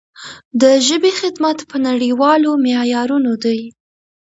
د ژبې خدمت په نړیوالو معیارونو دی.